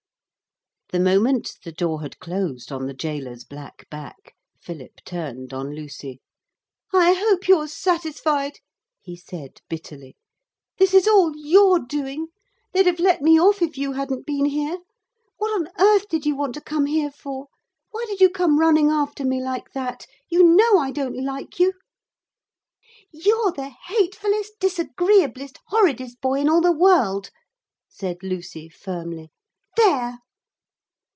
The moment the door had closed on the gaoler's black back Philip turned on Lucy. 'I hope you're satisfied,' he said bitterly. 'This is all your doing. They'd have let me off if you hadn't been here. What on earth did you want to come here for? Why did you come running after me like that? You know I don't like you?' 'You're the hatefullest, disagreeablest, horridest boy in all the world,' said Lucy firmly 'there!'